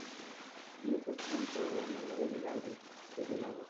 Ĝi estas ankaŭ la nomo de vilaĝo kaj de lago.